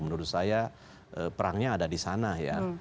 menurut saya perangnya ada di sana ya